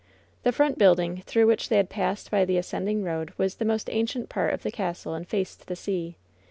The front building, through which they had passed by the ascending road, was the most ancient part of the castle and faced the sea.